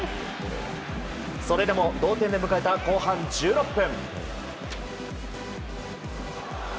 それでも、同点で迎えた後半１６分。